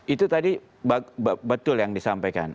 itu tadi betul yang disampaikan